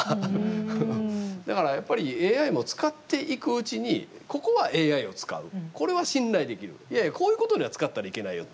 だからやっぱりＡＩも使っていくうちにここはＡＩを使うこれは信頼できるいやいやこういうことには使ったらいけないよって。